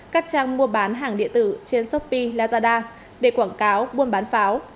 các trang mua bán hàng địa tử trên shopee lazada để quảng cáo buôn bán pháo